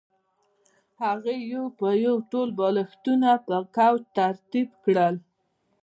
هغې یو په یو ټول بالښتونه په کوچ ترتیب کړل